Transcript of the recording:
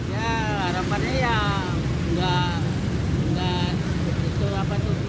ya harapannya ya nggak